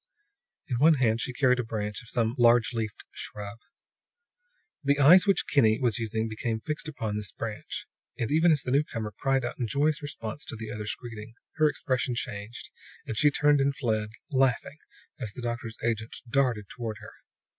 In one hand she carried a branch from some large leafed shrub. The eyes which Kinney was using became fixed upon this branch; and even as the newcomer cried out in joyous response to the other's greeting, her expression changed and she turned and fled, laughing, as the doctor's agent darted toward her.